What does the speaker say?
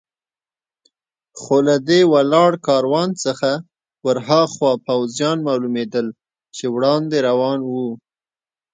خو له دې ولاړ کاروان څخه ور هاخوا پوځیان معلومېدل چې وړاندې روان و.